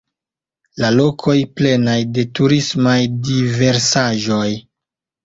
La lokoj plenaj de turismaj diversaĵoj.